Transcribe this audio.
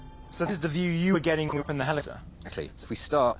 そう。